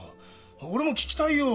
俺も聞きたいよ。